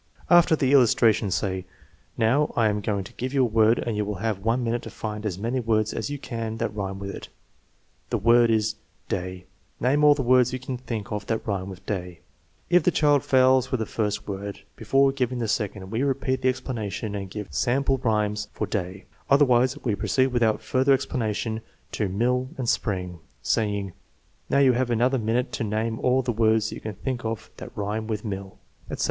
After the illustration say: "Now, I am going to give you a word and you will have one minute to find as many words as you can that rhyme with it. The word is * day. 9 Name all the words you can think of that rhyme with * day 9 " If the child fails with the first word, before giving the second we repeat the explanation and give sample rhymes for day; otherwise we proceed without further explanation to mill and spring, saying, "Now, you have another minute to name all the words you can think of that rhyme with ' mitt, 9 " etc.